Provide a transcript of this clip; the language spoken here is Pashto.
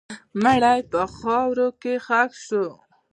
مړی په خاوره کې ښخ شو.